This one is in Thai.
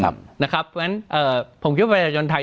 เพราะฉะนั้นผมคิดว่าประชาชนไทย